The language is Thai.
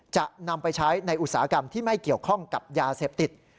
จะนำไปใช้ในอุตสาหกรรมที่ไม่เกี่ยวข้องกับยาเสพติด